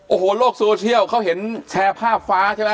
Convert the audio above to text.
โอ้โหโลกโซเชียลเขาเห็นแชร์ภาพฟ้าใช่ไหม